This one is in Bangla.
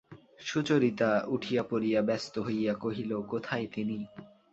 সুচরিতা উঠিয়া পড়িয়া ব্যস্ত হইয়া কহিল, কোথায় তিনি?